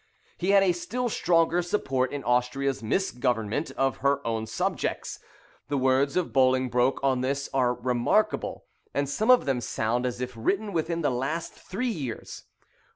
He had a still stronger support in Austria's misgovernment of her own subjects. The words of Bolingbroke on this are remarkable, and some of them sound as if written within the last three years.